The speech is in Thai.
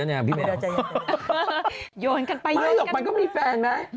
โยนกันไปมันก็มีแฟนนะ